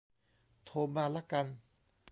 โทรมาละกัน